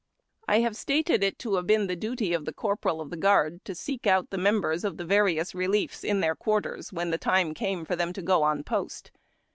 I have stated it to have been the duty of the corporal of the guard to seek out the members of the various reliefs in their quarters, when the time came for them to go on post.